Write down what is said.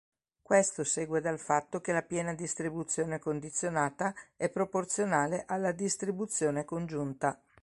Questo segue dal fatto che la piena distribuzione condizionata è proporzionale alla distribuzione congiunta.